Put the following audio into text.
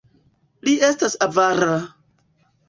Li estas avara!